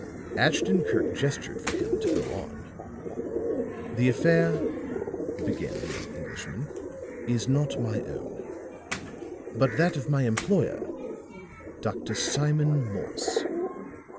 Ashton Kirk gestured for him to go on. "The affair," began the young Englishman, "is not my own, but that of my employer, Dr. Simon Morse."